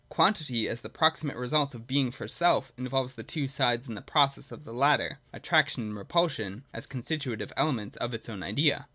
Quantity, as the proximate result of Being for self, in volves the two sides in the process of the latter, attraction and repulsion, as constitutive elements of its own idea.